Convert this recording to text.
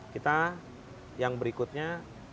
kita yang berikutnya